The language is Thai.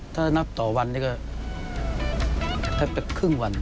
ถ้านับต่อวันนี้ก็แทบจะครึ่งวัน